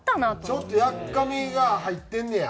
ちょっとやっかみが入ってんねや？